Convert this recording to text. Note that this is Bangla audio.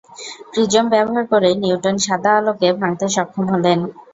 প্রিজম ব্যবহার করেই নিউটন সাদা আলোকে ভাঙতে সক্ষম হলেন।